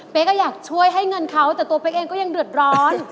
ก็อยากช่วยให้เงินเขาแต่ตัวเป๊กเองก็ยังเดือดร้อน